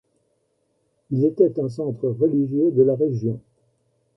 Il était un centre religieux de la région.